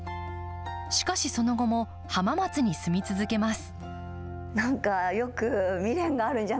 しかし、その後も浜松に住み続けます。